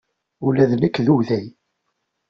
Ula d nekk d uday.